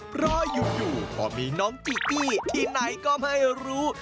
เพราะอยู่พอมีน้องจีตี้ที่ไหนก็ไม่รู้